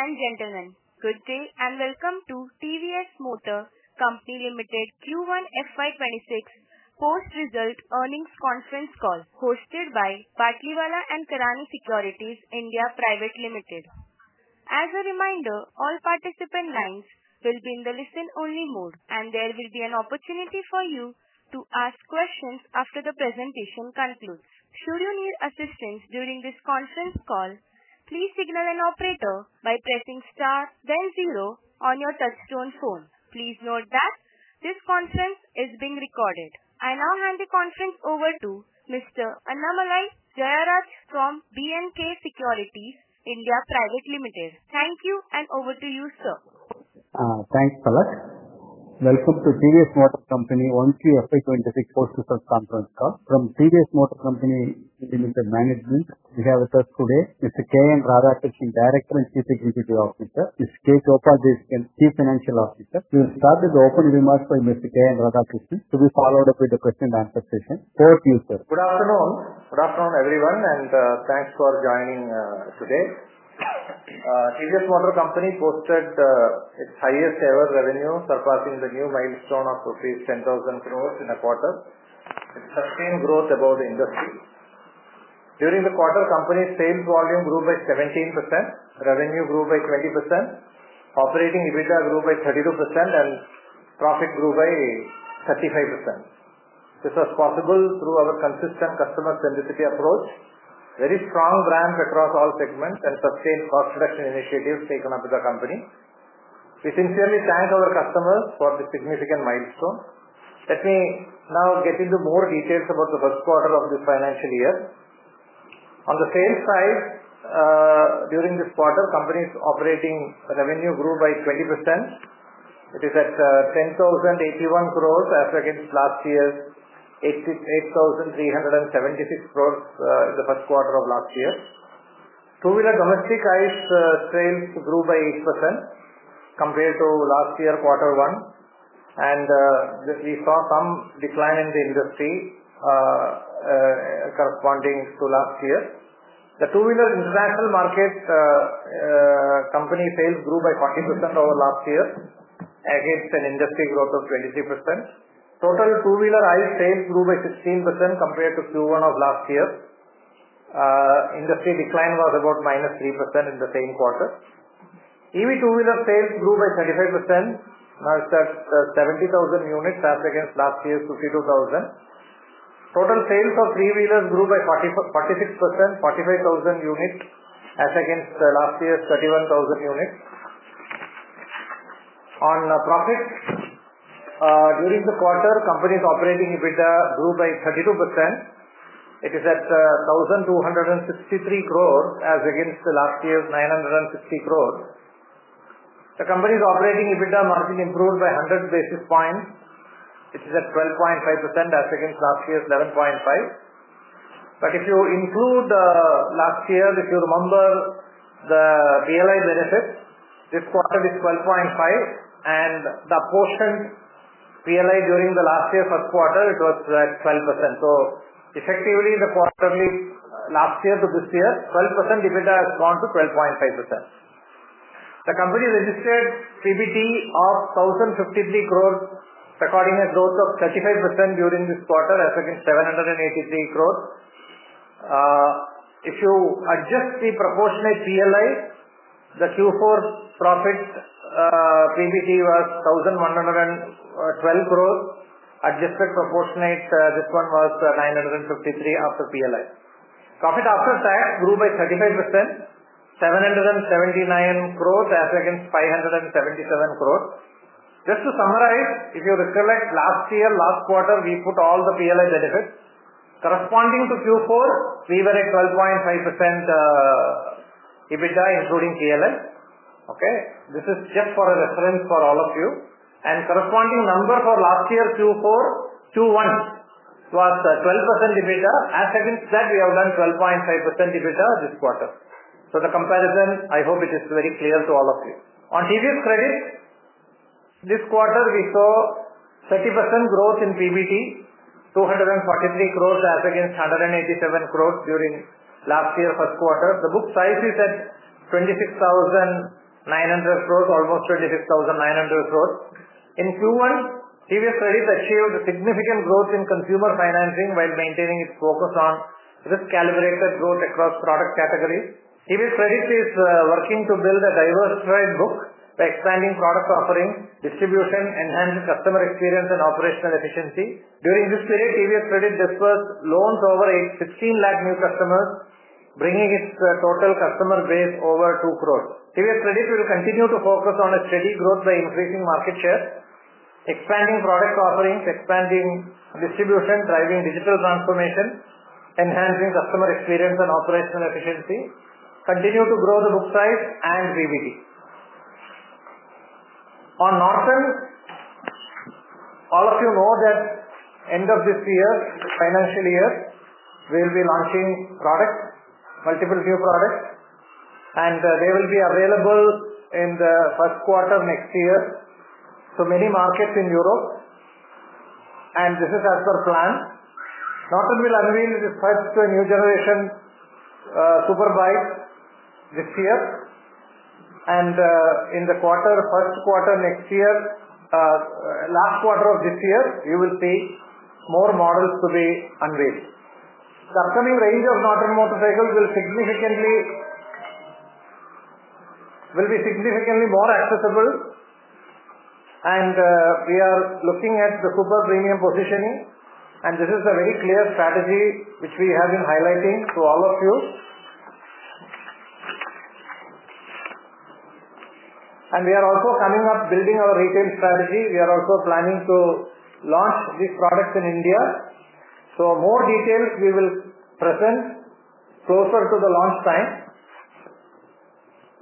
Ladies and gentlemen, good day and welcome to TVS Motor Company Ltd Q1 FY26 Post-Result Earnings Conference Call hosted by Batlivala & Karani Securities India Private Limited. As a reminder, all participant lines will be in the listen-only mode, and there will be an opportunity for you to ask questions after the presentation concludes. Should you need assistance during this conference call, please signal an operator by pressing star then zero on your touch-tone phone. Please note that this conference is being recorded. I now hand the conference over to Mr. Annamalai Jayaraj from B&K Securities India Pvt Ltd. Thank you, and over to you, sir. Thanks, Palak. Welcome to TVS Motor Company's 1Q FY26 Post-Result Conference Call. From TVS Motor Company Limited Management, we have with us today Mr. K N Radhakrishnan, Director and Chief Executive Officer, and Mr. K. Gopala Desikan, Chief Financial Officer. We will start with the opening remarks by Mr. K N Radhakrishnan to be followed up with the question-and-answer session. Over to you, sir. Good afternoon. Good afternoon, everyone, and thanks for joining today. TVS Motor Company posted its highest-ever revenue, surpassing the new milestone of rupees 10,000 crores in a quarter. It sustained growth above the industry. During the quarter, company sales volume grew by 17%, revenue grew by 20%, operating EBITDA grew by 32%, and profit grew by 35%. This was possible through our consistent customer-centricity approach, very strong brand across all segments, and sustained cost reduction initiatives taken up by the company. We sincerely thank our customers for this significant milestone. Let me now get into more details about the first quarter of this financial year. On the sales side, during this quarter, company's operating revenue grew by 20%. It is at 10,081 crores as against last year's 8,376 crores in the first quarter of last year. Two-wheeler domestic sales grew by 8% compared to last year's quarter one. We saw some decline in the industry corresponding to last year. The two-wheeler international market company sales grew by 40% over last year against an industry growth of 23%. Total two-wheeler sales grew by 16% compared to Q1 of last year. Industry decline was about -3% in the same quarter. EV two-wheeler sales grew by 35%, now it's at 70,000 units as against last year's 52,000. Total sales of three-wheelers grew by 46%, 45,000 units as against last year's 31,000 units. On profits, during the quarter, company's operating EBITDA grew by 32%. It is at 1,263 crores as against last year's 960 crores. The company's operating EBITDA margin improved by 100 basis points. It is at 12.5% as against last year's 11.5%. If you include last year, if you remember the PLI benefits, this quarter is 12.5%, and the apportioned PLI during the last year's first quarter, it was at 12%. Effectively, the quarterly last year to this year, 12% EBITDA has gone to 12.5%. The company registered PBT of 1,053 crores, recording a growth of 35% during this quarter as against 783 crores. If you adjust the proportionate PLI, the Q4 profit PBT was 1,112 crores. Adjusted proportionate, this one was 953 crores after PLI. Profit after tax grew by 35%, 779 crores as against 577 crores. Just to summarize, if you recollect last year, last quarter, we put all the PLI benefits. Corresponding to Q4, we were at 12.5% EBITDA, including PLI. This is just for a reference for all of you. Corresponding number for last year's Q4, Q1 was 12% EBITDA. As against that, we have done 12.5% EBITDA this quarter. The comparison, I hope, is very clear to all of you. On TVS Credit, this quarter, we saw 30% growth in PBT, 243 crores as against 187 crores during last year's first quarter. The book size is at 26,900 crores, almost 26,900 crores. In Q1, TVS Credit achieved significant growth in consumer financing while maintaining its focus on risk-calibrated growth across product categories. TVS Credit is working to build a diversified book by expanding product offering, distribution, enhancing customer experience, and operational efficiency. During this period, TVS Credit disbursed loans over 16 lakh new customers, bringing its total customer base over 2 crores. TVS Credit will continue to focus on steady growth by increasing market share, expanding product offerings, expanding distribution, driving digital transformation, enhancing customer experience, and operational efficiency, continue to grow the book size and PBT. On Norton, all of you know that end of this financial year, we'll be launching product, multiple new product, and they will be available in the first quarter next year to many markets in Europe. This is as per plan. Norton will unveil its first new-generation superbike this year and in the first quarter next year. Last quarter of this year, you will see more models to be unveiled. The upcoming range of Norton motorcycles will be significantly more accessible. We are looking at the super premium positioning, and this is a very clear strategy which we have been highlighting to all of you. We are also coming up, building our retail strategy. We are also planning to launch these products in India. More details we will present closer to the launch time.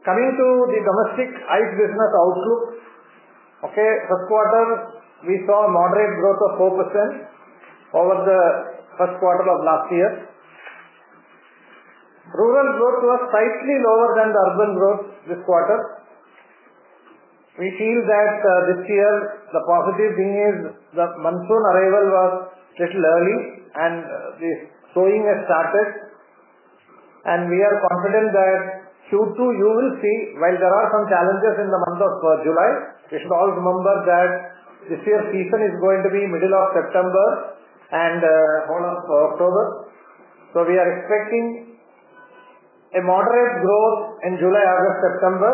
Coming to the domestic ICE business outlook, first quarter, we saw moderate growth of 4% over the first quarter of last year. Rural growth was slightly lower than the urban growth this quarter. We feel that this year, the positive thing is that the monsoon arrival was a little early, and the sowing has started. We are confident that Q2, you will see, while there are some challenges in the month of July, we should all remember that this year's season is going to be middle of September and half of October. We are expecting a moderate growth in July, August, September.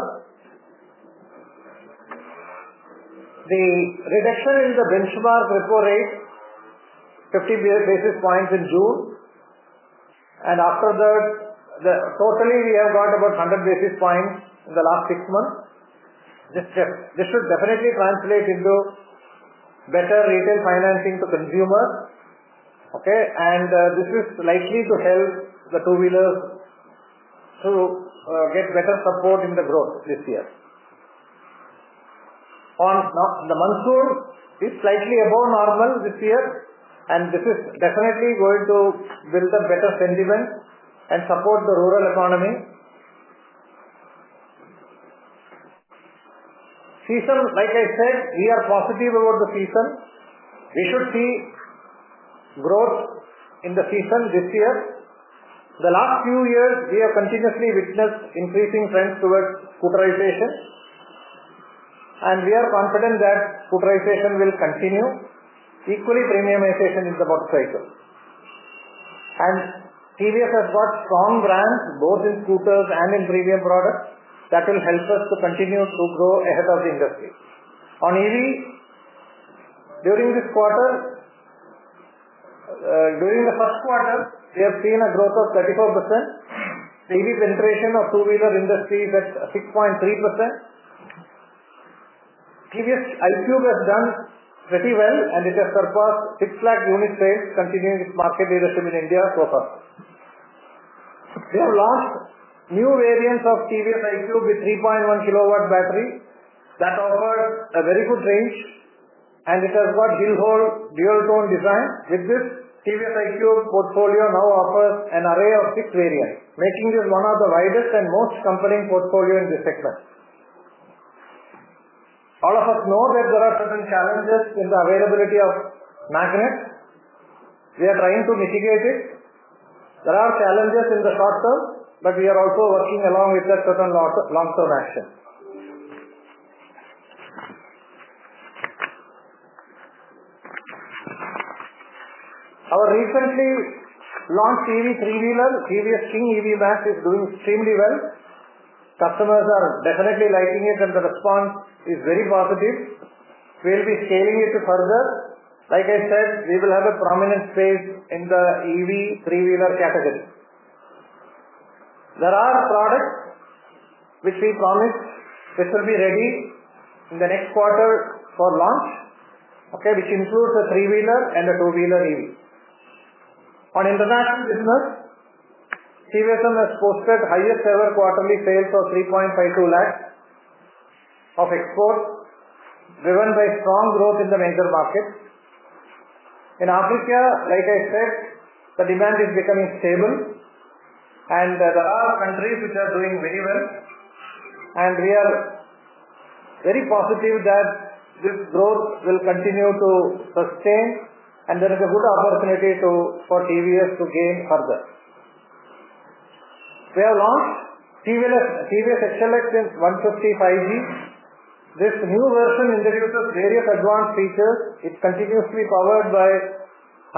The reduction in the benchmark report rate, 50 basis points in June. After that, totally we have got about 100 basis points in the last six months. This should definitely translate into better retail financing to consumers. This is likely to help the two-wheelers to get better support in the growth this year. Now, the monsoon is slightly above normal this year, and this is definitely going to build up better sentiment and support the rural economy. Like I said, we are positive about the season. We should see growth in the season this year. The last few years, we have continuously witnessed increasing trends towards scooterization. We are confident that scooterization will continue, equally premiumization in the motorcycles. TVS has got strong brands both in scooters and in premium products that will help us to continue to grow ahead of the industry. On EV, during this quarter, during the first quarter, we have seen a growth of 34%. EV penetration of two-wheeler industry is at 6.3%. TVS iQube has done pretty well, and it has surpassed 6 lakh units sales, continuing its market leadership in India so far. We have launched new variants of TVS iQube with 3.1 kW battery that offers a very good range, and it has got hill-hold dual-tone design. With this, TVS iQube portfolio now offers an array of six variants, making this one of the widest and most compelling portfolios in this segment. All of us know that there are certain challenges in the availability of rare earth magnets. We are trying to mitigate it. There are challenges in the short term, but we are also working along with that certain long-term action. Our recently launched EV three-wheeler, TVS King EV Max, is doing extremely well. Customers are definitely liking it, and the response is very positive. We'll be scaling it further. Like I said, we will have a prominent space in the EV three-wheeler category. There are products which we promised which will be ready in the next quarter for launch, which includes a three-wheeler and a two-wheeler EV. On international business, TVS has posted highest-ever quarterly sales of 3.52 lakhs of exports, driven by strong growth in the major markets. In Africa, like I said, the demand is becoming stable. There are countries which are doing very well. We are very positive that this growth will continue to sustain, and there is a good opportunity for TVS to gain further. We have launched TVS XLX in 150 5G. This new version introduces various advanced features. It continues to be powered by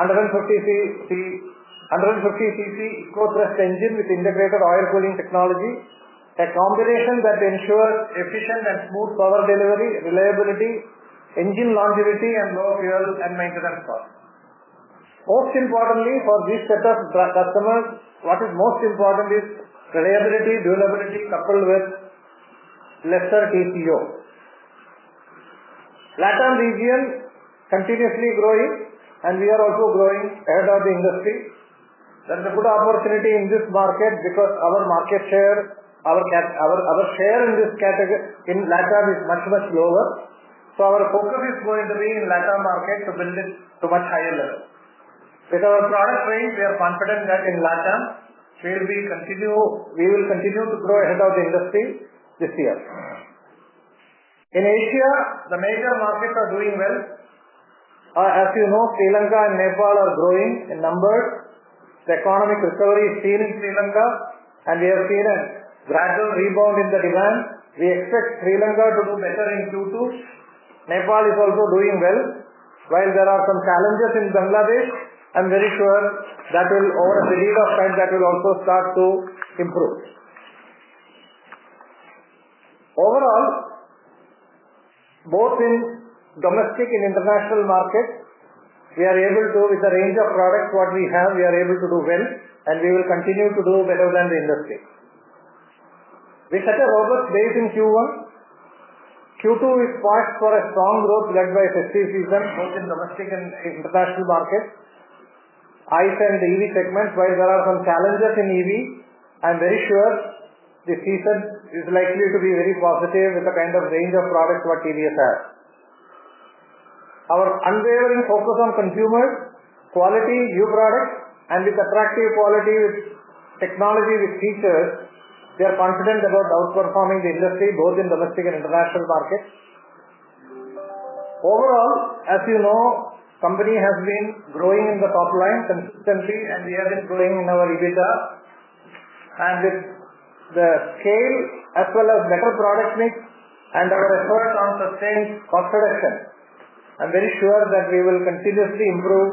150cc EcoThrust engine with integrated oil cooling technology, a combination that ensures efficient and smooth power delivery, reliability, engine longevity, and low fuel and maintenance costs. Most importantly, for this set of customers, what is most important is reliability, durability, coupled with lesser TCO. LATAM region continuously growing, and we are also growing ahead of the industry. There is a good opportunity in this market because our market share, our share in this category in LATAM is much, much lower. Our focus is going to be in LATAM market to build it to a much higher level. With our product range, we are confident that in LATAM, we will continue to grow ahead of the industry this year. In Asia, the major markets are doing well. As you know, Sri Lanka and Nepal are growing in numbers. The economic recovery is seen in Sri Lanka, and we have seen a gradual rebound in the demand. We expect Sri Lanka to do better in Q2. Nepal is also doing well. While there are some challenges in Bangladesh, I'm very sure that over the lead of time, that will also start to improve. Overall, both in domestic and international markets, we are able to, with the range of products what we have, we are able to do well, and we will continue to do better than the industry. We set a robust base in Q1. Q2 is poised for a strong growth led by fiscal season, both in domestic and international markets, ICE and EV segments. While there are some challenges in EV, I'm very sure the season is likely to be very positive with the kind of range of products what TVS has. Our unwavering focus on consumers, quality, new products, and with attractive quality with technology, with features, we are confident about outperforming the industry both in domestic and international markets. Overall, as you know, the company has been growing in the top line consistently, and we have been growing in our EBITDA. With the scale as well as better product mix and our effort on sustained cost reduction, I'm very sure that we will continuously improve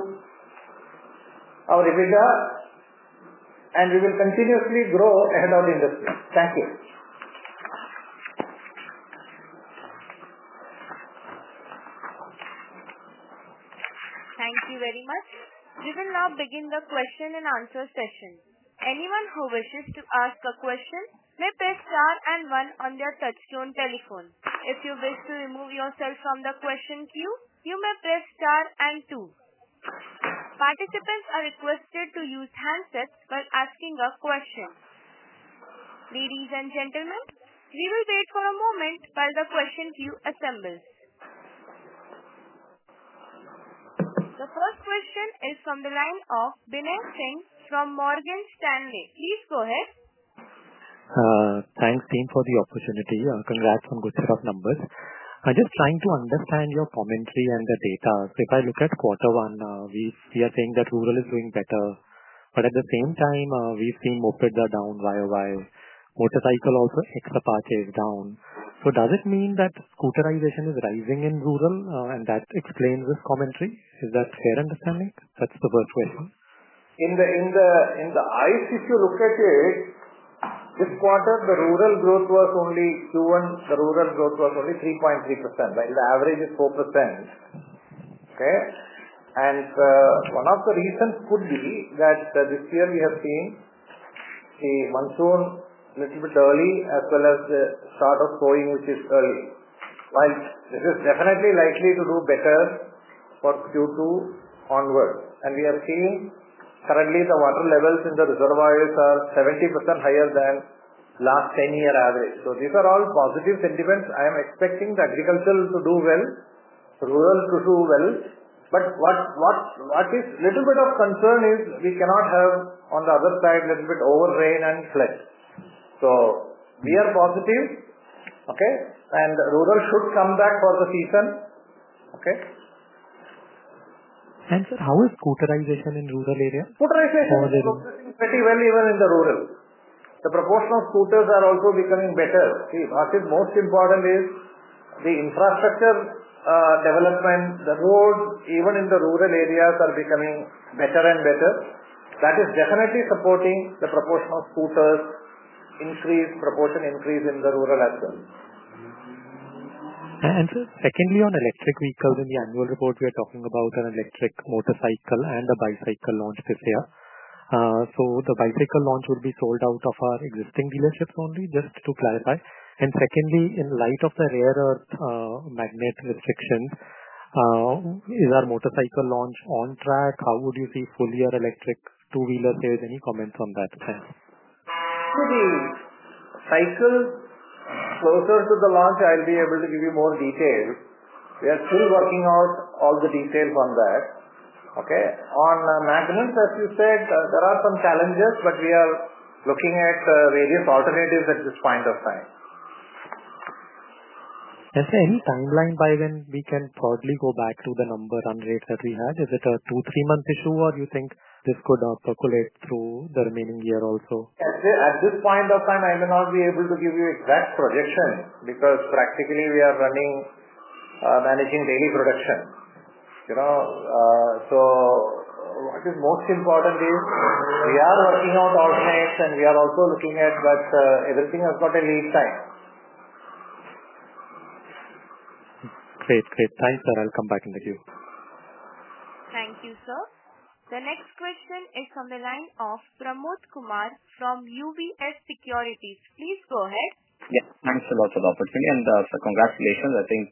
our EBITDA, and we will continuously grow ahead of the industry. Thank you. Thank you very much. We will now begin the question-and-answer session. Anyone who wishes to ask a question may press star and one on their touchscreen telephone. If you wish to remove yourself from the question queue, you may press star and two. Participants are requested to use handsets while asking a question. Ladies and gentlemen, we will wait for a moment while the question queue assembles. The first question is from the line of Binay Singh from Morgan Stanley. Please go ahead. Thanks, team, for the opportunity. Congrats on good set of numbers. I'm just trying to understand your commentary and the data. If I look at quarter one, we are saying that rural is doing better. At the same time, we've seen Mopeds are down, YoY. Motorcycle also, except Apache, is down. Does it mean that scooterization is rising in rural? That explains this commentary. Is that a fair understanding? That's the first question. In the ICE, if you look at it, this quarter, the rural growth was only Q1, the rural growth was only 3.3%, while the average is 4%. One of the reasons could be that this year we have seen the monsoon a little bit early, as well as the start of sowing, which is early. This is definitely likely to do better for Q2 onwards. We have seen currently the water levels in the reservoirs are 70% higher than last 10-year average. These are all positive sentiments. I am expecting the agriculture to do well, rural to do well. What is a little bit of concern is we cannot have on the other side a little bit overrain and flood. We are positive, and rural should come back for the season. Sir, how is scooterization in rural area? Scooterization is progressing pretty well even in the rural. The proportion of scooters are also becoming better. See, what is most important is the infrastructure. Development, the roads, even in the rural areas are becoming better and better. That is definitely supporting the proportion of scooters. Proportion increase in the rural as well. Sir, secondly, on electric vehicles, in the annual report, we are talking about an electric motorcycle and a bicycle launch this year. The bicycle launch will be sold out of our existing dealerships only, just to clarify. Secondly, in light of the rare earth magnet restrictions, is our motorcycle launch on track? How would you see fully electric two-wheelers? Any comments on that? Thanks. To the cycle, closer to the launch, I'll be able to give you more details. We are still working out all the details on that. On magnets, as you said, there are some challenges, but we are looking at various alternatives at this point of time. Sir, any timeline, by when we can probably go back to the number run rates that we had? Is it a two, three-month issue, or do you think this could percolate through the remaining year also? At this point of time, I will not be able to give you exact projection because practically we are running, managing daily production. What is most important is we are working out alternates, and we are also looking at that everything has got a lead time. Great, great. Thanks, sir. I'll come back in the queue. Thank you, sir. The next question is from the line of Pramod Kumar from UBS Securities. Please go ahead. Yes. Thanks a lot for the opportunity. And sir, congratulations. I think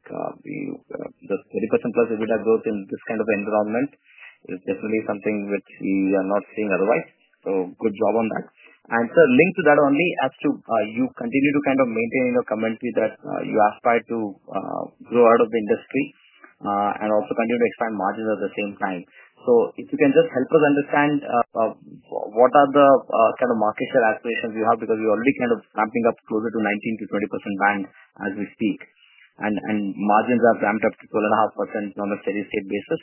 the 30%+ EBITDA growth in this kind of environment is definitely something which we are not seeing otherwise. Good job on that. Sir, linked to that only, as you continue to kind of maintain in your commentary that you aspire to grow out of the industry and also continue to expand margins at the same time, if you can just help us understand what are the kind of market share aspirations you have because we're already kind of ramping up closer to 19%-20% band as we speak, and margins are ramped up to 12.5% on a steady-state basis.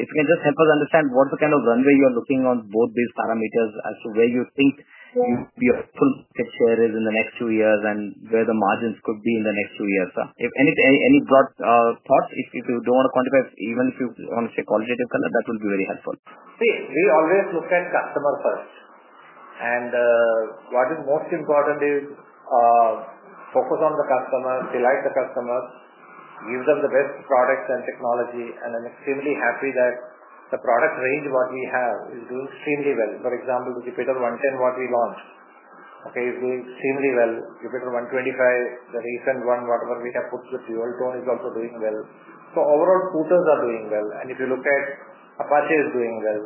If you can just help us understand what's the kind of runway you are looking on both these parameters as to where you think your full market share is in the next two years and where the margins could be in the next two years. Any broad thoughts? If you don't want to quantify, even if you want to say qualitative color, that would be very helpful. See, we always look at customer first. What is most important is focus on the customer, delight the customer, give them the best products and technology, and I'm extremely happy that the product range what we have is doing extremely well. For example, the Jupiter 110, what we launched, is doing extremely well. Jupiter 125, the recent one, whatever we have put with dual-tone, is also doing well. Overall, scooters are doing well. If you look at Apache, it's doing well.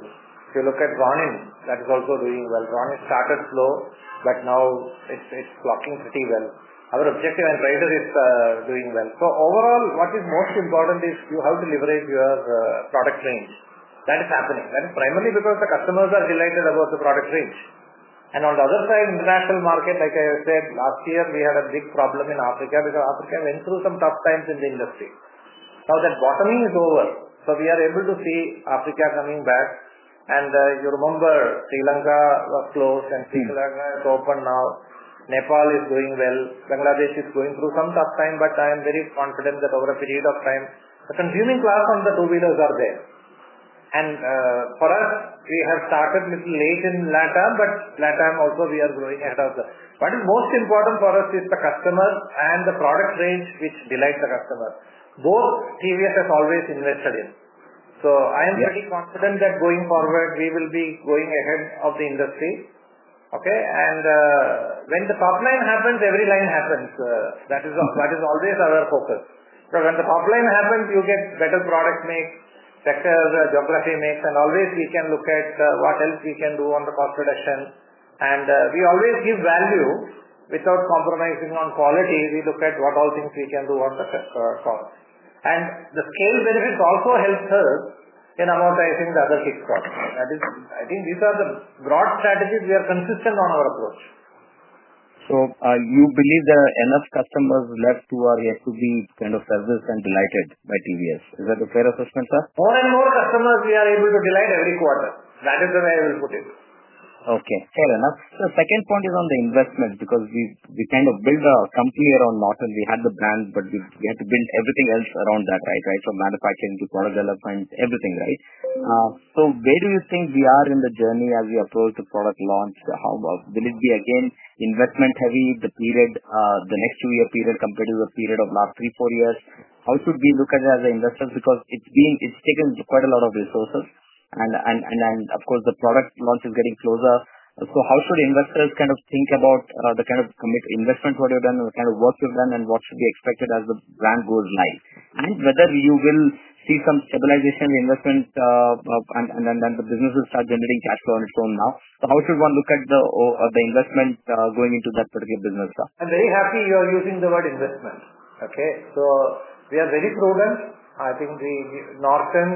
If you look at Ronin, that is also doing well. Ronin started slow, but now it's clocking pretty well. Our objective and riders is doing well. Overall, what is most important is you have to leverage your product range. That is happening. That is primarily because the customers are delighted about the product range. On the other side, international market, like I said, last year we had a big problem in Africa because Africa went through some tough times in the industry. Now that bottoming is over, we are able to see Africa coming back. You remember Sri Lanka was closed and Sri Lanka is open now. Nepal is doing well. Bangladesh is going through some tough time, but I am very confident that over a period of time, the consuming class on the two-wheelers are there. For us, we have started a little late in LATAM, but LATAM also we are growing ahead of them. What is most important for us is the customer and the product range which delights the customer. Both TVS has always invested in. I am pretty confident that going forward, we will be going ahead of the industry. When the top line happens, every line happens. That is always our focus, because when the top line happens, you get better product mix, better geography mix, and always we can look at what else we can do on the cost reduction. We always give value without compromising on quality. We look at what all things we can do on the cost, and the scale benefits also help us in amortizing the other kickstart. I think these are the broad strategies. We are consistent on our approach. You believe there are enough customers left who are yet to be kind of serviced and delighted by TVS. Is that a fair assessment, sir? More and more customers we are able to delight every quarter. That is the way I will put it. Fair enough. The second point is on the investment because we kind of built our company around auto. We had the brand, but we had to build everything else around that, right? From manufacturing to product development, everything, right? Where do you think we are in the journey as we approach the product launch? Will it be again investment-heavy, the next two-year period compared to the period of last three, four years? How should we look at it as investors? Because it's taken quite a lot of resources. Of course, the product launch is getting closer. How should investors kind of think about the kind of investment work you've done and the kind of work you've done and what should be expected as the brand grows? Whether you will see some stabilization in investment and then the businesses start generating cash flow on its own now. How should one look at the investment going into that particular business? I'm very happy you're using the word investment. We are very prudent. I think Norton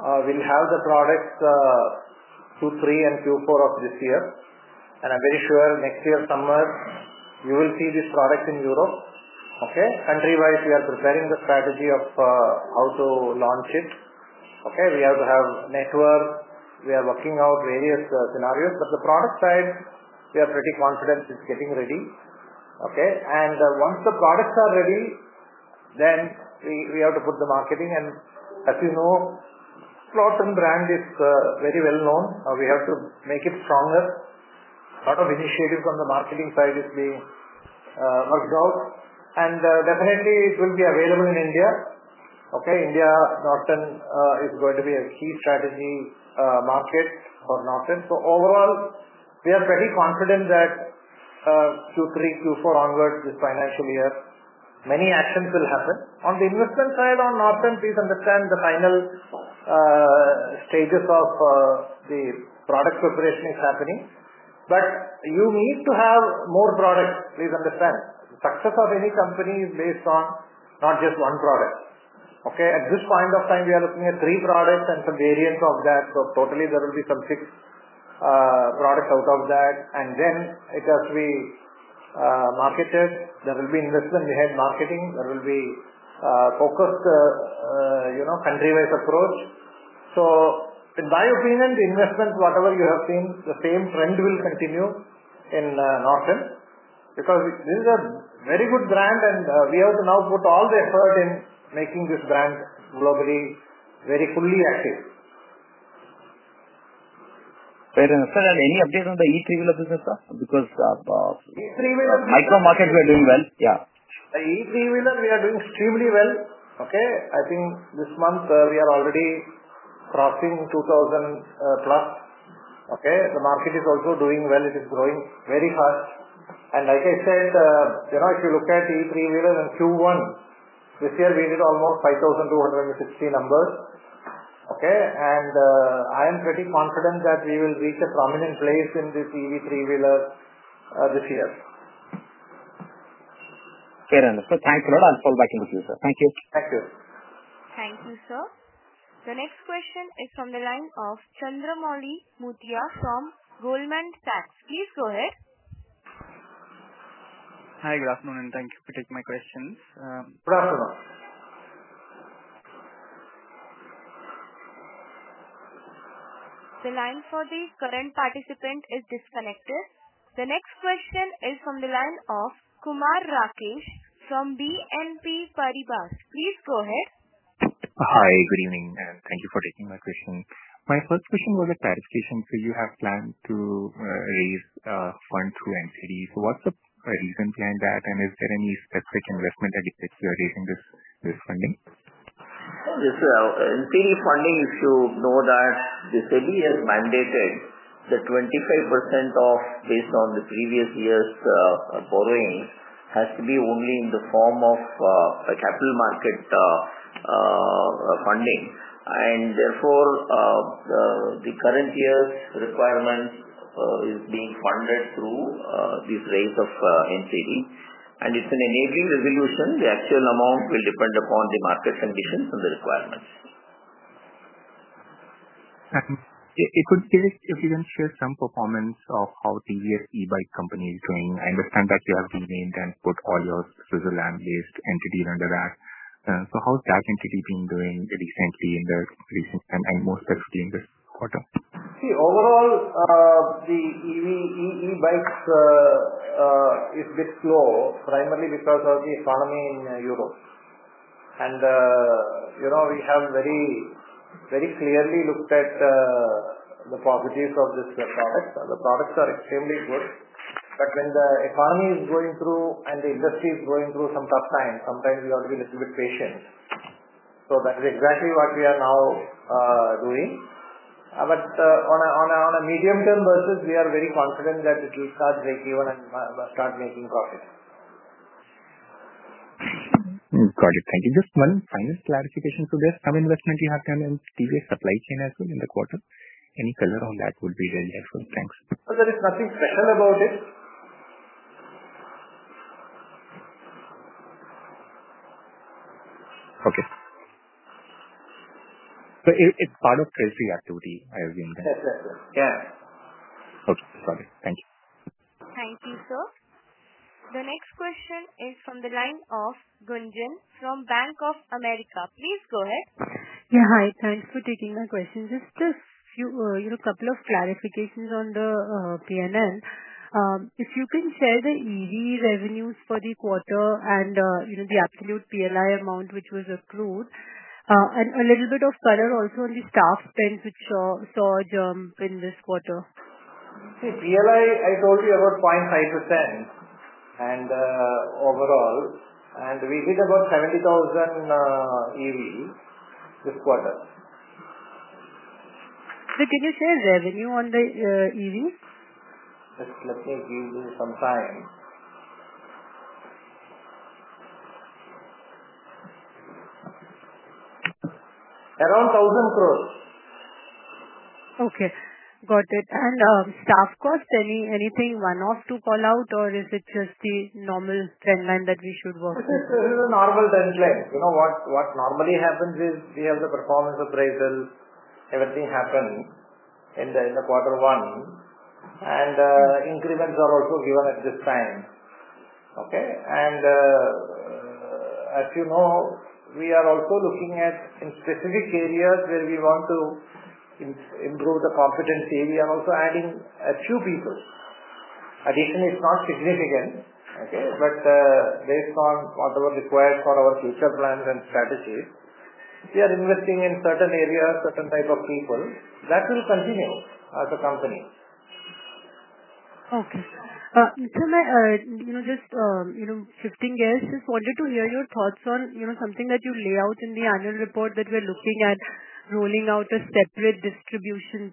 will have the products Q3 and Q4 of this year. I'm very sure next year summer, you will see these products in Europe. Country-wise, we are preparing the strategy of how to launch it. We have to have network. We are working out various scenarios. On the product side, we are pretty confident it's getting ready. Once the products are ready, then we have to put the marketing. As you know, Norton brand is very well known. We have to make it stronger. A lot of initiatives on the marketing side will be worked out. It will definitely be available in India. India, Norton is going to be a key strategy market for Norton. Overall, we are pretty confident that Q3, Q4 onwards this financial year, many actions will happen. On the investment side on Norton, please understand the final stages of the product preparation is happening. You need to have more products. Please understand, the success of any company is based on not just one product. At this point of time, we are looking at three products and some variants of that. Totally, there will be some six products out of that. Then it has to be marketed. There will be investment behind marketing. There will be focused country-wise approach. In my opinion, the investment, whatever you have seen, the same trend will continue in Norton. This is a very good brand, and we have to now put all the effort in making this brand globally very fully active. Fair enough, sir. Any update on the EV three-wheeler business, sir? Because of micro market, we are doing well. Yeah. The EV-three-wheeler, we are doing extremely well. I think this month, we are already crossing 2,000 lakhs. The market is also doing well. It is growing very fast. Like I said, if you look at EV three-wheeler and Q1, this year, we did almost 5,260 numbers. I am pretty confident that we will reach a prominent place in this EV three-wheeler this year. Fair enough, sir. Thanks a lot. I'll fall back into you, sir. Thank you. Thank you. Thank you, sir. The next question is from the line of Chandramouli Muthiah from Goldman Sachs. Please go ahead. Hi. Good afternoon. Thank you for taking my questions. Good afternoon. The line for the current participant is disconnected. The next question is from the line of Kumar Rakesh from BNP Paribas. Please go ahead. Hi. Good evening. Thank you for taking my question. My first question was a clarification. You have planned to raise funds through NCD. What's the reason behind that? Is there any specific investment that you are raising this funding for? NCD funding, if you know, SEBI has mandated that 25% based on the previous year's borrowing has to be only in the form of capital market funding. Therefore, the current year's requirement is being funded through this raise of NCD. It's an enabling resolution. The actual amount will depend upon the market conditions and the requirements. If you can share some performance of how TVS e-bike company is doing. I understand that you have renamed and put all your reservoir-land-based entity under that. How has that entity been doing recently, in the recent time, and most specifically in this quarter? Overall, the e-bikes is a bit slow, primarily because of the economy in Europe. We have very clearly looked at the positives of this product. The products are extremely good. When the economy is going through and the industry is going through some tough times, sometimes we have to be a little bit patient. That is exactly what we are now doing. On a medium-term basis, we are very confident that it will start breakeven and start making profit. Got it. Thank you. Just one final clarification to this. Some investment you have done in TVS Supply Chain as well in the quarter. Any color on that would be really helpful. Thanks. There is nothing special about it. Okay. It's part of trail-free activity, I assume. Yes, yes, yes. Yeah. Okay. Got it. Thank you. Thank you, sir. The next question is from the line of Gunjan from Bank of America. Please go ahead. Yeah. Hi. Thanks for taking my questions. Just a couple of clarifications on the P&L. If you can share the EV revenues for the quarter and the absolute PLI amount which was accrued. A little bit of color also on the staff spend which saw a jump in this quarter. PLI, I told you about 0.5% overall. We did about 70,000 EV this quarter. Can you share revenue on the EV? Let me give you some time. Around 1,000 crore. Okay. Got it. Staff cost, anything one-off to call out, or is it just the normal trendline that we should work with? This is a normal trendline. What normally happens is we have the performance appraisal. Everything happened in the quarter one. Increments are also given at this time. As you know, we are also looking at specific areas where we want to improve the competency. We are also adding a few people. Additionally, it's not significant, okay? But based on whatever is required for our future plans and strategy, we are investing in certain areas, certain types of people. That will continue as a company. Okay. Can I just—15 years? Just wanted to hear your thoughts on something that you lay out in the annual report that we're looking at rolling out a separate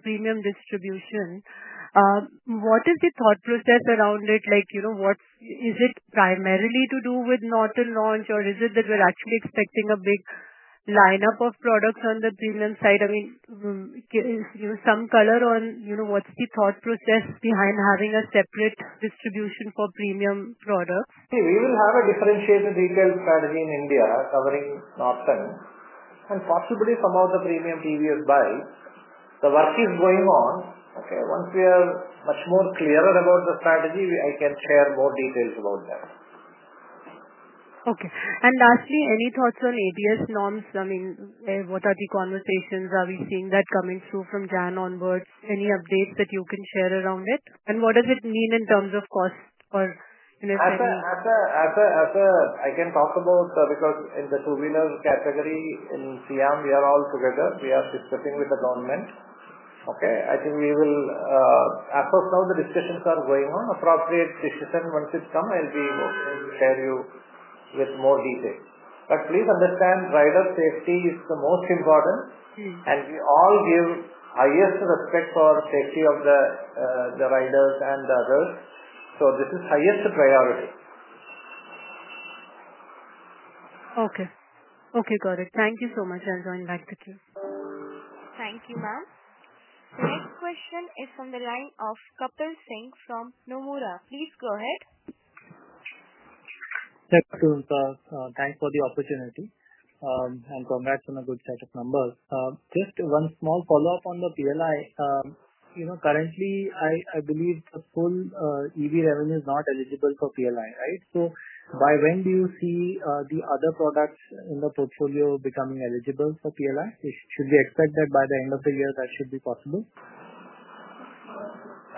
premium distribution. What is the thought process around it? Is it primarily to do with Norton launch, or is it that we're actually expecting a big lineup of products on the premium side? I mean, some color on what's the thought process behind having a separate distribution for premium products? See, we will have a differentiated retail strategy in India covering Norton and possibly some of the premium TVS buy. The work is going on. Okay? Once we are much more clear about the strategy, I can share more details about that. Okay. And lastly, any thoughts on ABS norms? I mean, what are the conversations? Are we seeing that coming through from January onwards? Any updates that you can share around it? And what does it mean in terms of cost or—as a— I can't talk about because in the two-wheeler category, in SIAM, we are all together. We are discussing with the government. Okay? I think we will—as of now, the discussions are going on. Appropriate decision, once it's done, I'll be able to share with you more details. Please understand, rider safety is the most important. We all give highest respect for the safety of the riders and others. This is the highest priority. Okay. Okay. Got it. Thank you so much. I'll join back the queue. Thank you, ma'am. The next question is from the line of Kapil Singh from Nomura. Please go ahead. Thank you, sir. Thanks for the opportunity. Congrats on a good set of numbers. Just one small follow-up on the PLI. Currently, I believe the full EV revenue is not eligible for PLI, right? By when do you see the other products in the portfolio becoming eligible for PLI? Should we expect that by the end of the year, that should be possible?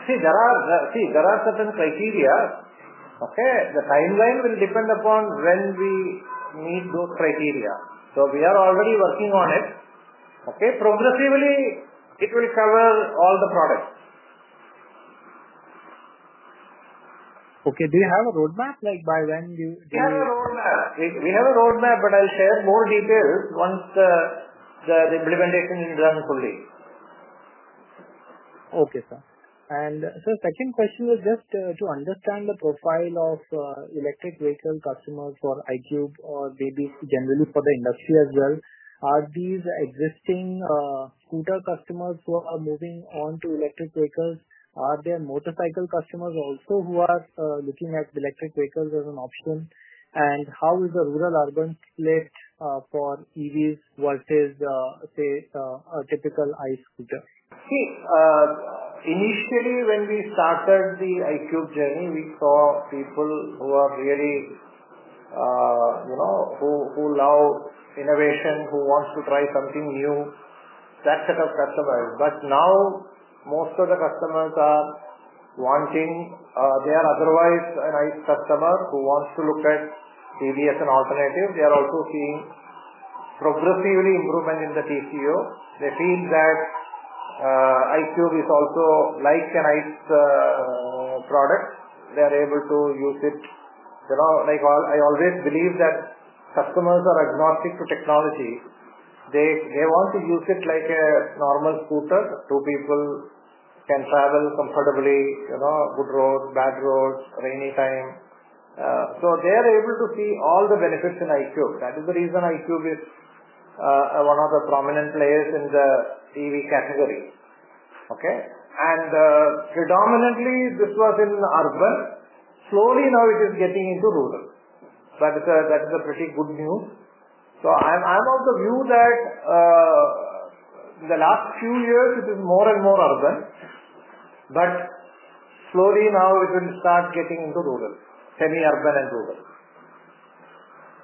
See, there are certain criteria. Okay? The timeline will depend upon when we meet those criteria. We are already working on it. Okay? Progressively, it will cover all the products. Okay. Do you have a roadmap? Like by when you— We have a roadmap. We have a roadmap, but I'll share more details once the implementation is done fully. Okay, sir. Sir, second question was just to understand the profile of electric vehicle customers for iQube or maybe generally for the industry as well. Are these existing scooter customers who are moving on to electric vehicles? Are there motorcycle customers also who are looking at electric vehicles as an option? How is the rural-urban split for EVs versus, say, a typical iScooter? Initially, when we started the iQube journey, we saw people who really love innovation, who want to try something new. That set of customers. Now, most of the customers are wanting—they are otherwise an iQube customer who wants to look at TVS as an alternatives. They are also seeing progressive improvement in the TCO. They feel that iQube is also like an ICE product. They are able to use it. I always believe that customers are agnostic to technology. They want to use it like a normal scooter that two people can travel comfortably, good roads, bad roads, rainy time. They are able to see all the benefits in iQube. That is the reason iQube is one of the prominent players in the EV category. Predominantly, this was in urban. Slowly, now it is getting into rural. That is pretty good news. I am of the view that in the last few years, it is more and more urban. Slowly, now it will start getting into rural, semi-urban, and rural.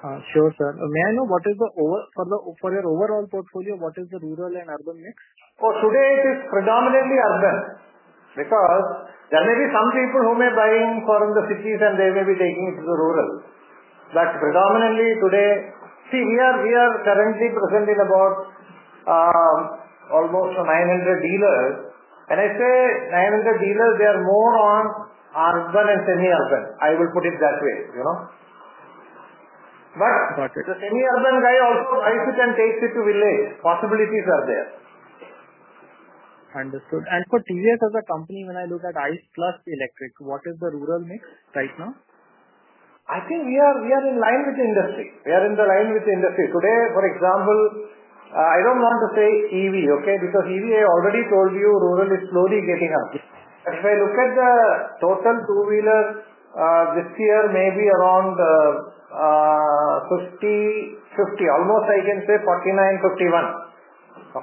May I know what is the—for your overall portfolio, what is the rural and urban mix? Today, it is predominantly urban. There may be some people who may be buying from the cities, and they may be taking it to the rural. Predominantly, today—we are currently present in about almost 900 dealers. When I say 900 dealers, they are more on urban and semi-urban. I will put it that way. The semi-urban guy also buys it and takes it to village. Possibilities are there. For TVS Motor Company, when I look at ICE plus electric, what is the rural mix right now? I think we are in line with the industry. We are in line with the industry. Today, for example—I do not want to say EV, because EV, I already told you, rural is slowly getting up. If I look at the total two-wheelers, this year may be around 50, 50. Almost, I can say 49, 51 or 51, 49.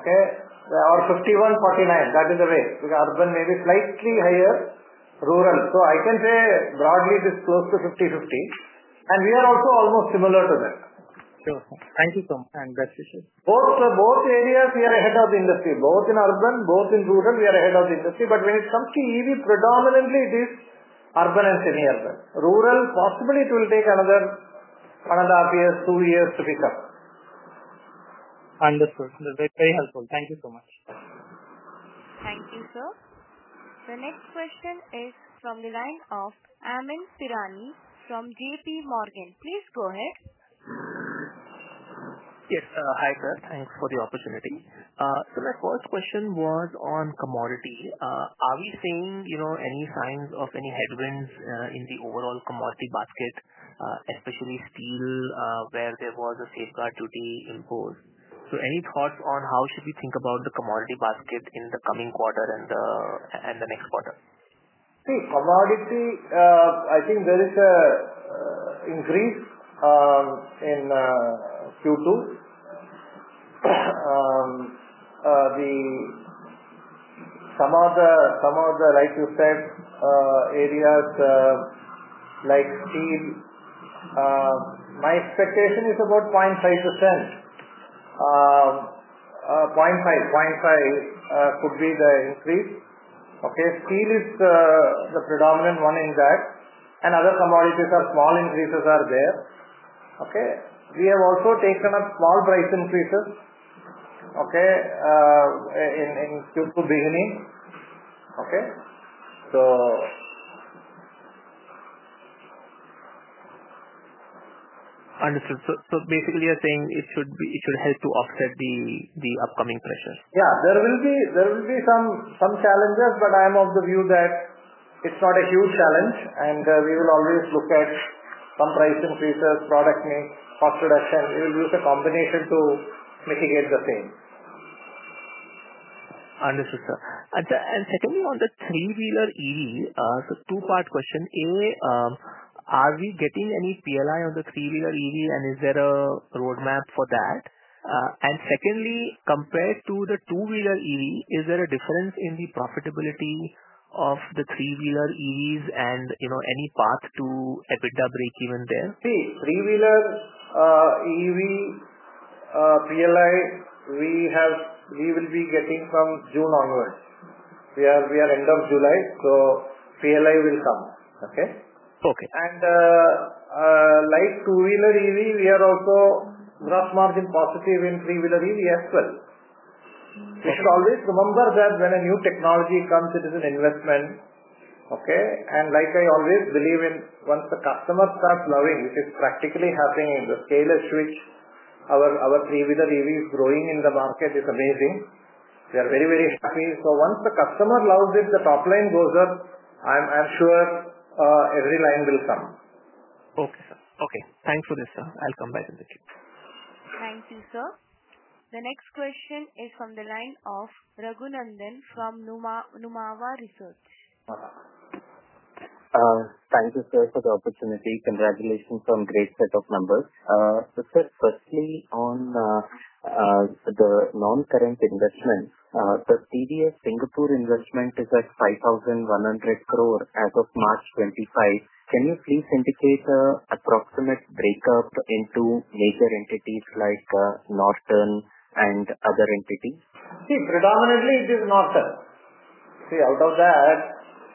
That is the rate. Urban may be slightly higher, rural. I can say broadly, it is close to 50 50. We are also almost similar to that. Thank you so much. Best wishes. Both areas, we are ahead of the industry. Both in urban, both in rural, we are ahead of the industry. When it comes to EV, predominantly, it is urban and semi-urban. Rural, possibly it will take another one and a half years, two years to pick up. Understood. Very helpful. Thank you so much. Thank you, sir. The next question is from the line of Amyn Pirani from JPMorgan. Please go ahead. Yes. Hi, sir. Thanks for the opportunity. My first question was on commodity. Are we seeing any signs of any headwinds in the overall commodity basket, especially steel, where there was a safeguard duty imposed? Any thoughts on how should we think about the commodity basket in the coming quarter and the next quarter? See, commodity, I think there is an increase in Q2. Some of the, like you said, areas like steel. My expectation is about 0.5%. 0.5% could be the increase. Steel is the predominant one in that, and other commodities are small increases are there. We have also taken up small price increases in Q2 beginning. Understood. Basically, you're saying it should help to offset the upcoming pressures? Yeah. There will be some challenges, but I am of the view that it's not a huge challenge. We will always look at some price increases, product mix, cost reduction. We will use a combination to mitigate the same. Understood, sir. Secondly, on the three-wheeler EV, two-part question. A. Are we getting any PLI on the three-wheeler EV, and is there a roadmap for that? Secondly, compared to the two-wheeler EV, is there a difference in the profitability of the three-wheeler EVs and any path to EBITDA breakeven there? See, three-wheeler EV PLI, we will be getting from June onwards. We are end of July, so PLI will come. Like two-wheeler EV, we are also gross margin positive in three-wheeler EV as well. We should always remember that when a new technology comes, it is an investment. Like I always believe in, once the customer starts loving, which is practically happening in the scale of switch, our three-wheeler EV is growing in the market. It's amazing. We are very, very happy. Once the customer loves it, the top line goes up. I'm sure every line will come. Okay, sir. Thanks for this, sir. I'll come back in the queue. Thank you, sir. The next question is from the line of Raghunandhan from Nuvama Research. Thank you, sir, for the opportunity. Congratulations on a great set of numbers. Sir, firstly, on the Non-Current Investment, the TVS Singapore investment is at 5,100 crore as of March 2025. Can you please indicate an approximate breakup into major entities like Norton and other entities? Predominantly, it is Norton. Out of that,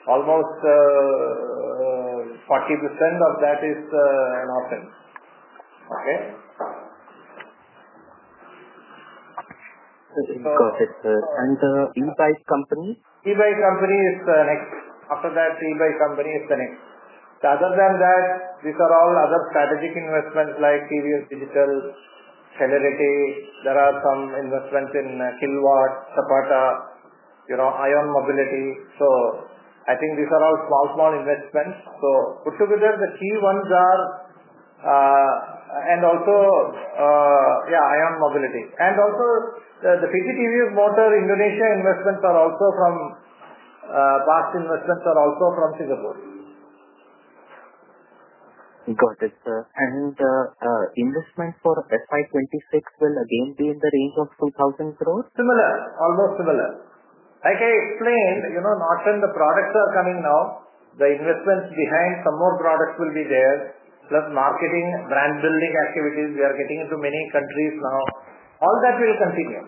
almost 40% of that is Norton. Okay? Got it, sir. E-bike companies? E-bike companies is the next. After that, e-bike company is the next. Other than that, these are all other strategic investments like TVS Digital, Hellerete. There are some investments in Killwatt, Zapata, ION Mobility. I think these are all small, small investments. Put together, the key ones are, and also, yeah, ION Mobility. Also, the PT TVS Motor Indonesia investments are also from past investments, also from Singapore. Got it, sir. Investment for FY2026 will again be in the range of 2,000 crore? Similar. Almost similar. Like I explained, Norton, the products are coming now. The investments behind some more products will be there, plus marketing, brand-building activities. We are getting into many countries now. All that will continue.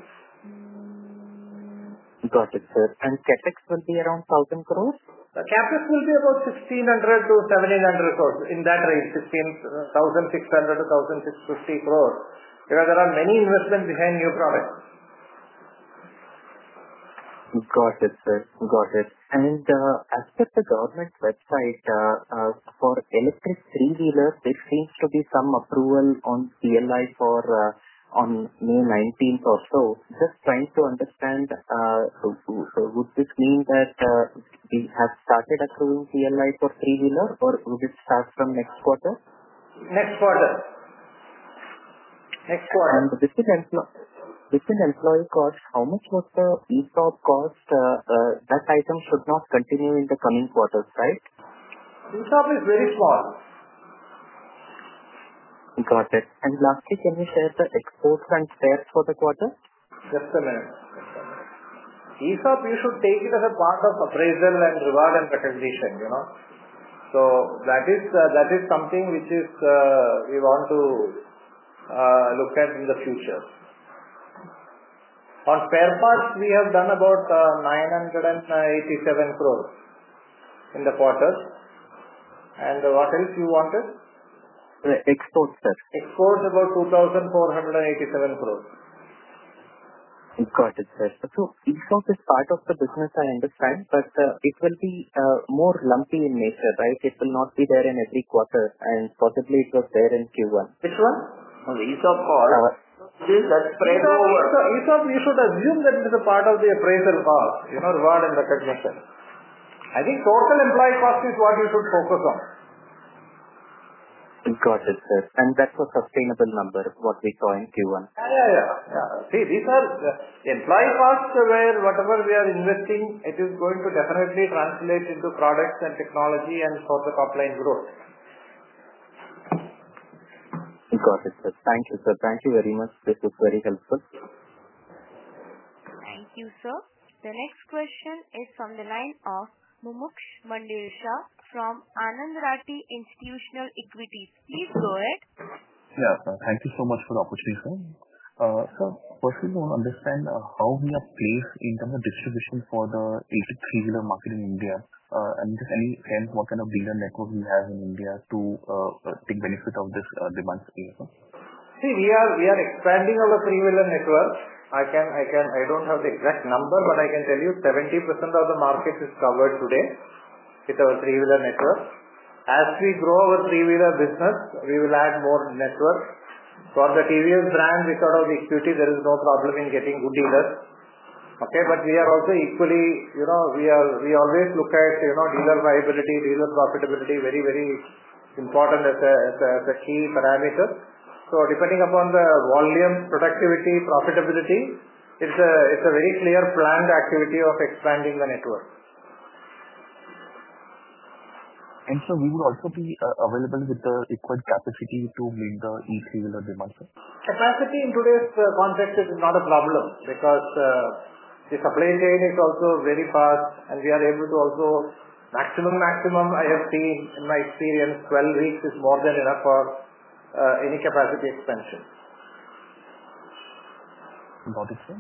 Got it, sir. CapEx will be around 1,000 crore? CapEx will be about 1,600-1,700 crore. In that range, 1,600-1,650 crore. Because there are many investments behind new products. Got it, sir. Got it. As per the government website, for electric three-wheelers, there seems to be some approval on PLI on May 19 or so. Just trying to understand, would this mean that we have started approving PLI for three-wheelers, or would it start from next quarter? Next quarter. Next quarter. Within employee cost, how much was the e-shop cost? That item should not continue in the coming quarters, right? E-shop is very small. Got it. Lastly, can you share the exports and shares for the quarter? Just a minute. E-shop, you should take it as a part of appraisal and reward and recognition. That is something which we want to look at in the future. On spare parts, we have done about 987 crore in the quarter. What else you wanted? Exports, sir. Exports, about 2,487 crore. Got it, sir. E-shop is part of the business, I understand, but it will be more lumpy in nature, right? It will not be there in every quarter, and possibly, it was there in Q1. Which one? On the e-shop cost? That spreads over. E-shop, you should assume that it is a part of the appraisal cost, reward and recognition. I think total employee cost is what you should focus on. Got it, sir. That's a sustainable number, what we saw in Q1. Yeah, yeah, yeah. These are employee costs where whatever we are investing, it is going to definitely translate into products and technology and further top-line growth. Got it, sir. Thank you, sir. Thank you very much. This is very helpful. Thank you, sir. The next question is from the line of Mumuksh Mandlesha from Anand Rathi Institutional Equities. Please go ahead. Yeah, sir. Thank you so much for the opportunity. Sir, firstly, I want to understand how we are placed in terms of distribution for the electric three-wheeler market in India. Any sense, what kind of dealer network we have in India to take benefit of this demand space? We are expanding our three-wheeler network. I don't have the exact number, but I can tell you 70% of the market is covered today with our three-wheeler network. As we grow our three-wheeler business, we will add more network. For the TVS brand, without all the equity, there is no problem in getting good dealers. Okay? We always look at dealer viability, dealer profitability, very, very important as a key parameter. Depending upon the volume, productivity, profitability, it's a very clear planned activity of expanding the network. Sir, will you also be available with the required capacity to meet the e-three-wheeler demand, sir? Capacity in today's context is not a problem. The supply chain is also very fast, and we are able to also— Maximum, maximum, I have seen in my experience, 12 weeks is more than enough for any capacity expansion. Got it, sir.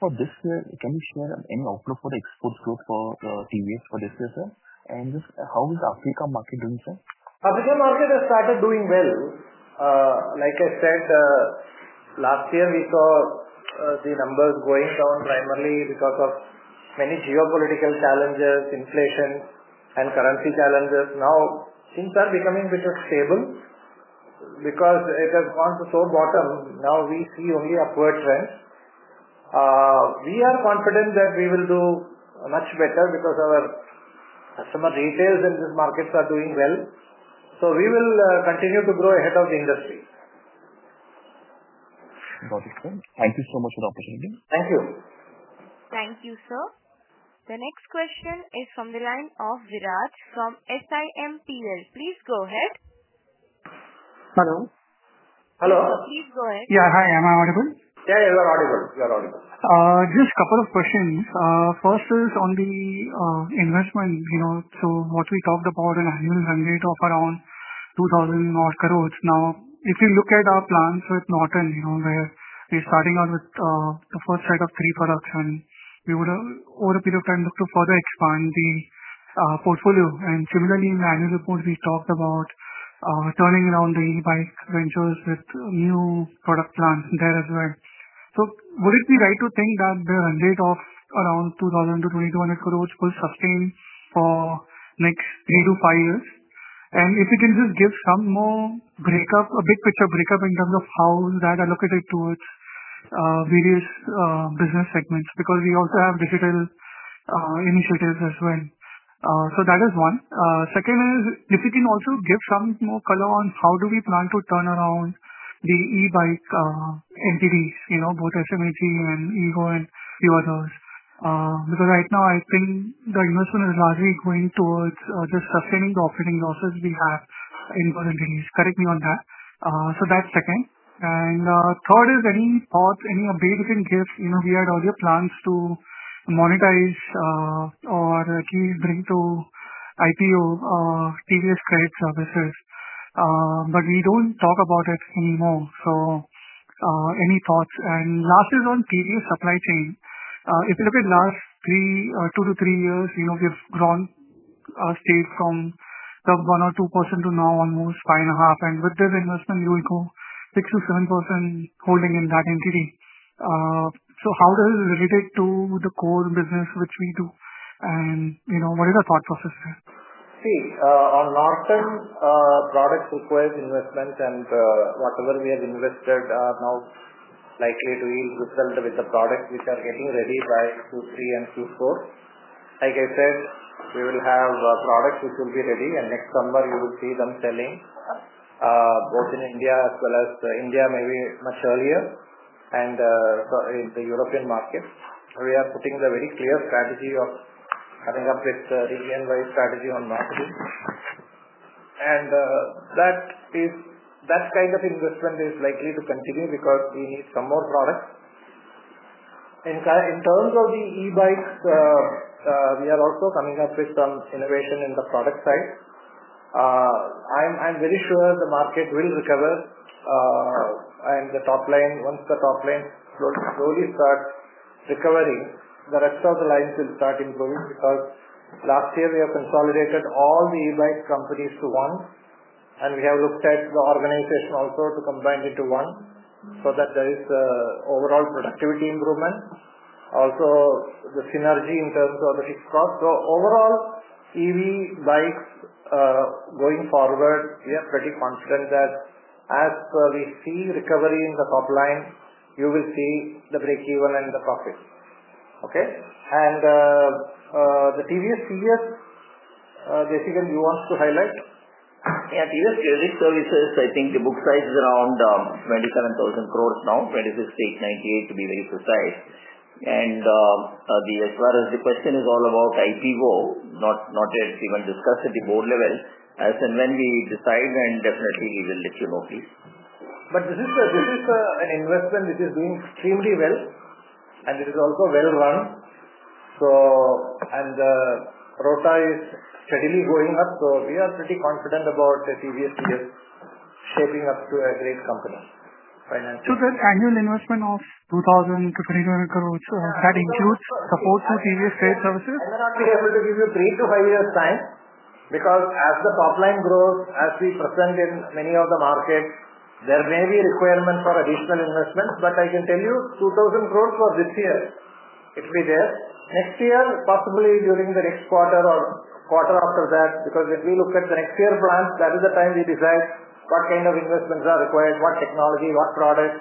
For this year, can you share any outlook for the export growth for TVS for this year, sir? How is the Africa market doing, sir? Africa market has started doing well. Like I said, last year, we saw the numbers going down primarily because of many geopolitical challenges, inflation, and currency challenges. Now, things are becoming a bit stable. Because it has gone to so bottom, now we see only upward trends. We are confident that we will do much better because our customer retails in these markets are doing well. We will continue to grow ahead of the industry. Got it, sir. Thank you so much for the opportunity. Thank you. Thank you, sir. The next question is from the line of Viraj from SiMPL. Please go ahead. Hello? Hello? Please go ahead. Yeah. Hi. Am I audible? Yeah. You are audible. You are audible. Just a couple of questions. First is on the investment. What we talked about is an annual run rate of around 2,000 crore. Now, if you look at our plans with Norton, where we're starting out with the first set of three products, we would, over a period of time, look to further expand the portfolio. Similarly, in the annual report, we talked about turning around the e-bike ventures with new product plans there as well. Would it be right to think that the run rate of around 2,000-2,200 crore will sustain for the next three to five years? If you can just give some more breakup, a big picture breakup in terms of how that's allocated towards various business segments, because we also have digital initiatives as well. That is one. Second is, if you can also give some more color on how we plan to turn around the e-bike entities, both SMEG and EGO and a few others. Right now, I think the investment is largely going towards just sustaining the operating losses we have in those entities. Correct me on that. That's second. Third is, any thoughts, any update you can give? We had earlier plans to monetize or at least bring to IPO TVS Credit, but we don't talk about it anymore. Any thoughts? Last is on TVS Supply Chain. If you look at the last two to three years, we have grown straight from the 1 or 2% to now almost 5.5%. With this investment, we will go 6-7% holding in that entity. How does it relate to the core business, which we do? What are your thoughts on this, sir? See, on Norton, products require investment, and whatever we have invested is now likely to yield results with the products which are getting ready by Q3 and Q4. Like I said, we will have products which will be ready, and next summer, you will see them selling both in India, as well as India maybe much earlier, and in the European market. We are putting a very clear strategy of coming up with a region-wide strategy on Norton. That kind of investment is likely to continue because we need some more products. In terms of the e-bikes, we are also coming up with some innovation on the product side. I'm very sure the market will recover, and once the top line slowly starts recovering, the rest of the lines will start improving. Last year, we have consolidated all the e-bike companies to one, and we have looked at the organization also to combine into one so that there is overall productivity improvement. Also, the synergy in terms of the fixed cost. Overall, EV bikes. Going forward, we are pretty confident that as we see recovery in the top line, you will see the breakeven and the profits. Okay? The TVS CS. The second, you want to highlight? Yeah. TVS Credit Services, I think the book size is around 27,000 crore now, 26,898 crore, to be very precise. As far as the question is all about IPO, not yet even discussed at the board level. As and when we decide, then definitely, we will let you know, please. This is an investment which is doing extremely well, and it is also well-run. Rota is steadily going up. We are pretty confident about TVS CS shaping up to a great company financially. That annual investment of 2,000-2,200 crore, that includes support to TVS Credit Services? We are not able to give you three to five years time because as the topline grows, as we present in many of the markets, there may be a requirement for additional investments. I can tell you, 2,000 crore for this year, it will be there. Next year, possibly during the next quarter or quarter after that, because if we look at the next year plans, that is the time we decide what kind of investments are required, what technology, what products,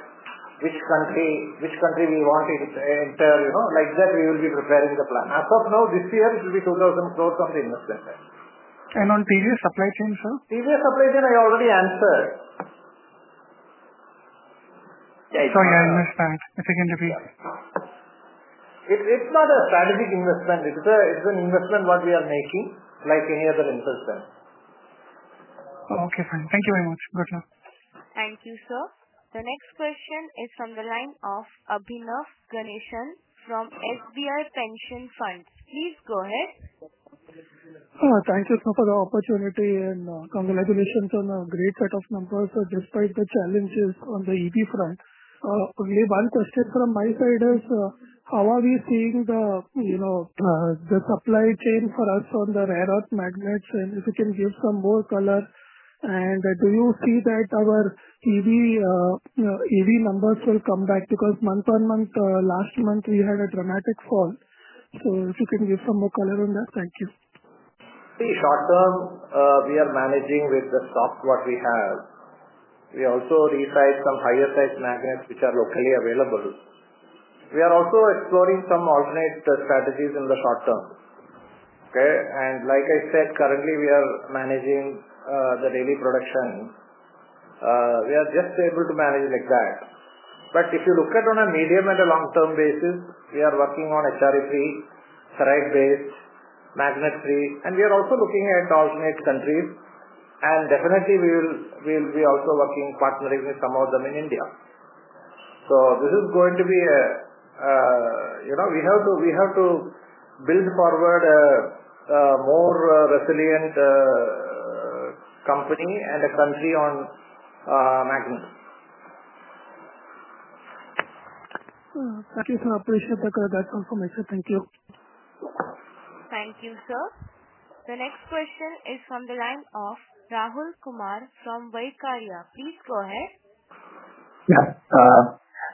which country we want to enter. Like that, we will be preparing the plan. As of now, this year, it will be 2,000 crore on the investment side. On TVS Supply Chain, sir? TVS Supply Chain, I already answered. Yeah. Sorry, I misheard. If I can repeat. It's not a strategic investment. It's an investment we are making, like any other investment. Okay, fine. Thank you very much. Good luck. Thank you, sir. The next question is from the line of Abhinav Ganeshan from SBI Pension Funds. Please go ahead. Thank you, sir, for the opportunity and congratulations on a great set of numbers despite the challenges on the EV front. Only one question from my side is, how are we seeing the supply chain for us on the rare earth magnets? If you can give some more color. Do you see that our EV numbers will come back? Because month on month, last month, we had a dramatic fall. If you can give some more color on that, thank you. Short term, we are managing with the stock we have. We also resize some higher size magnets which are locally available. We are also exploring some alternate strategies in the short term. Okay? Like I said, currently, we are managing the daily production. We are just able to manage like that. If you look at on a medium and a long-term basis, we are working on HRE-free, ferrite-based, magnet-free. We are also looking at alternate countries. Definitely we will be also working partnering with some of them in India. This is going to be a—we have to build forward a more resilient company and a country on magnet. Thank you, sir. I appreciate that conversation. Thank you. Thank you, sir. The next question is from the line of Rahul Kumar from Vaikarya. Please go ahead. Yeah.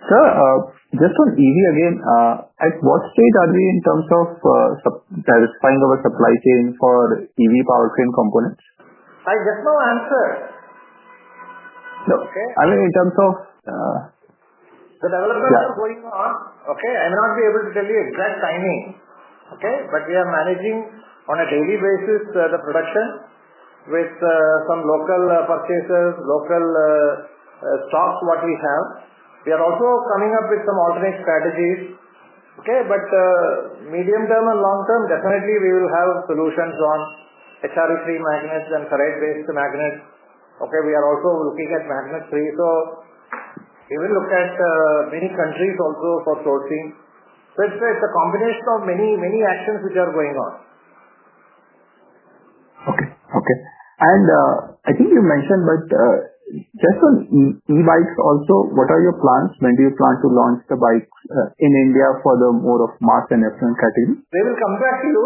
Sir, just on EV again, at what stage are we in terms of diversifying our supply chain for EV powertrain components? I just now answered. In terms of the developments are going on. I may not be able to tell you exact timing. We are managing on a daily basis the production with some local purchasers, local stocks what we have. We are also coming up with some alternate strategies. Medium term and long term, definitely, we will have solutions on HRE-free magnets and ferrite-based magnets. We are also looking at magnet-free. We will look at many countries also for sourcing. It's a combination of many actions which are going on. Okay. And I think you mentioned, just on e-bikes also, what are your plans? When do you plan to launch the bikes in India for the more of mass and different categories? They will come back to you.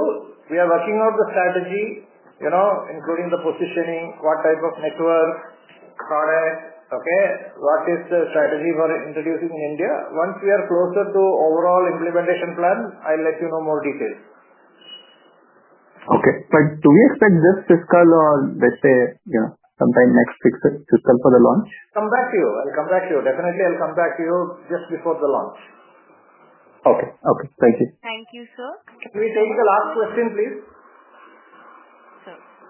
We are working out the strategy, including the positioning, what type of network, product. What is the strategy for introducing in India? Once we are closer to overall implementation plan, I'll let you know more details. Okay. Do we expect just fiscal or, let's say, sometime next fiscal for the launch? Come back to you. I'll come back to you. Definitely, I'll come back to you just before the launch. Okay. Thank you. Thank you, sir. Can we take the last question, please?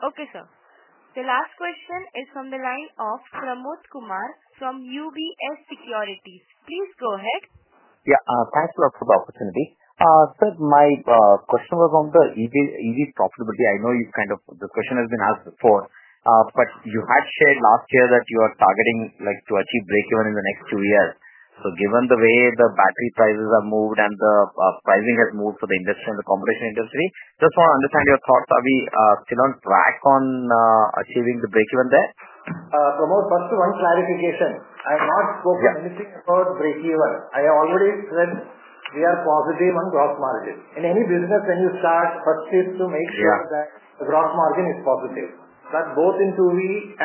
Okay, sir. The last question is from the line of Pramod Kumar from UBS Securities. Please go ahead. Yeah. Thanks a lot for the opportunity. Sir, my question was on the EV's profitability. I know you've kind of—the question has been asked before. You had shared last year that you are targeting to achieve breakeven in the next two years. Given the way the battery prices have moved and the pricing has moved for the industry and the competition industry, just want to understand your thoughts. Are we still on track on achieving the breakeven there? Pramod, first, one clarification. I have not spoken anything about breakeven. I already said we are positive on gross margin. In any business, when you start, first thing to make sure that the gross margin is positive. Both in two-wheeler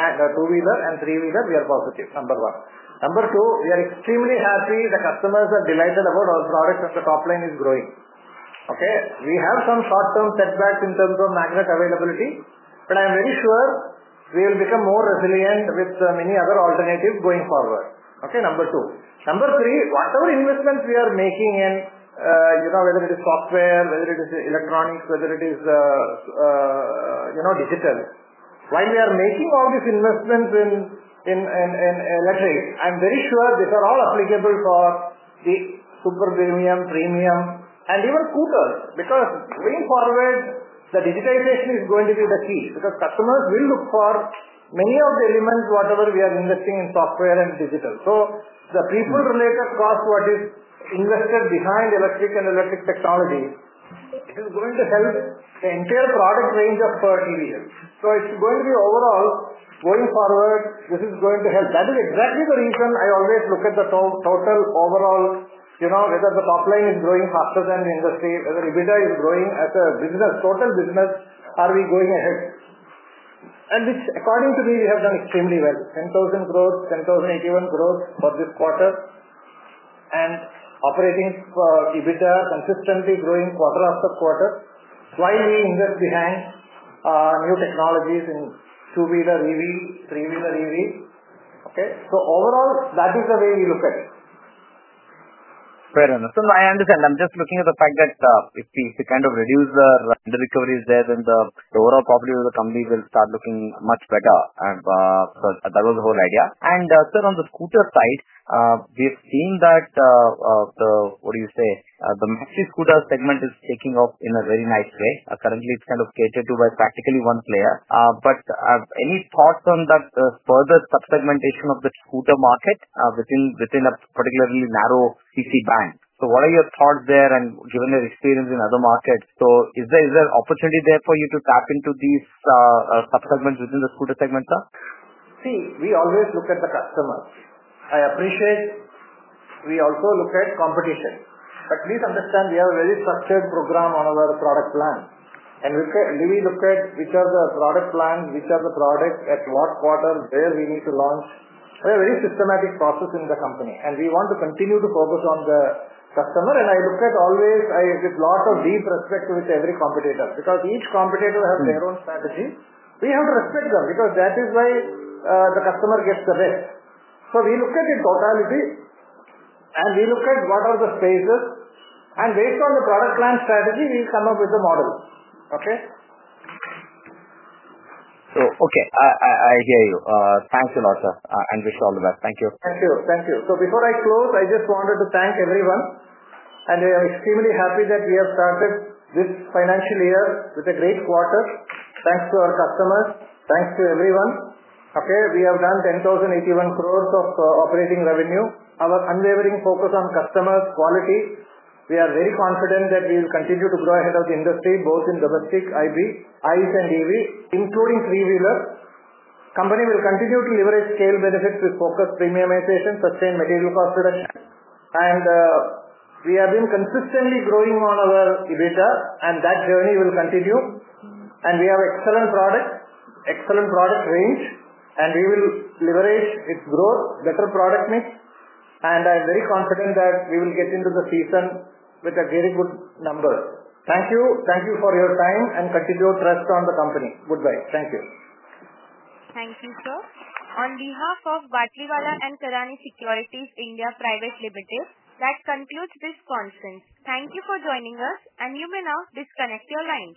and three-wheeler, we are positive, number one. Number two, we are extremely happy. The customers are delighted about our products, and the top line is growing. We have some short-term setbacks in terms of magnet availability. I am very sure we will become more resilient with many other alternatives going forward, number two. Number three, whatever investments we are making in, whether it is software, whether it is electronics, whether it is digital, while we are making all these investments in electric, I'm very sure these are all applicable for the super premium, premium, and even scooters. Going forward, the digitization is going to be the key because customers will look for many of the elements, whatever we are investing in software and digital. The people-related cost, what is invested behind electric and electric technology, it is going to help the entire product range of 30 years. It's going to be overall, going forward, this is going to help. That is exactly the reason I always look at the total overall, whether the top line is growing faster than the industry, whether EBITDA is growing as a business, total business, are we going ahead, and which, according to me, we have done extremely well. 10,000 crores, 10,081 crores for this quarter, and operating EBITDA consistently growing quarter-after-quarter, while we invest behind new technologies in two-wheeler EV, three-wheeler EV. Overall, that is the way we look at it. Fair enough. Sir, I understand. I'm just looking at the fact that if we kind of reduce the, and the recovery is there, then the overall profitability of the company will start looking much better. That was the whole idea. Sir, on the scooter side, we have seen that, what do you say, the Maxi Scooter segment is taking off in a very nice way. Currently, it's kind of catered to by practically one player. Any thoughts on that further subsegmentation of the scooter market within a particularly narrow CC Band? What are your thoughts there? Given your experience in other markets, is there opportunity there for you to tap into these subsegments within the scooter segment, sir? See, we always look at the customers. I appreciate. We also look at competition. Please understand, we have a very structured program on our product plan. We look at which are the product plans, which are the products, at what quarter, where we need to launch. We have a very systematic process in the company. We want to continue to focus on the customer. I look at always with lots of deep respect with every competitor because each competitor has their own strategy. We have to respect them because that is why the customer gets the best. We look at it totally. We look at what are the phases, and based on the product plan strategy, we come up with the model. Okay? I hear you. Thanks a lot, sir, and wish you all the best. Thank you. Thank you. Thank you. Before I close, I just wanted to thank everyone. We are extremely happy that we have started this financial year with a great quarter. Thanks to our customers. Thanks to everyone. Okay? We have done 10,081 crore of operating revenue. Our unwavering focus on customer quality, we are very confident that we will continue to grow ahead of the industry, both in domestic, IV, ICE, and EV, including three-wheeler. Company will continue to leverage scale benefits with focus on premiumization, sustained material cost reduction. We have been consistently growing on our EBITDA, and that journey will continue. We have excellent product, excellent product range, and we will leverage its growth, better product mix. I am very confident that we will get into the season with a very good number. Thank you. Thank you for your time and continue to trust on the company. Goodbye. Thank you. Thank you, sir. On behalf of Batlivala & Karani Securities India Private Limited, that concludes this conference. Thank you for joining us, and you may now disconnect your line.